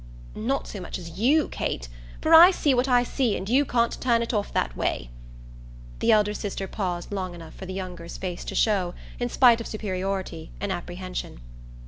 "Not so much as you, Kate; for I see what I see and you can't turn it off that way." The elder sister paused long enough for the younger's face to show, in spite of superiority, an apprehension.